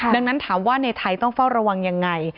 ดังนั้นถามว่าในไทยต้องเฝ้าระวังยังไง